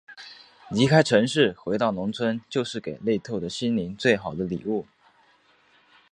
离开城市，回到农村，就是给累透的心灵最好的礼物。